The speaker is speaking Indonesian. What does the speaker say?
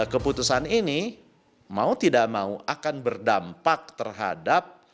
keputusan ini mau tidak mau akan berdampak terhadap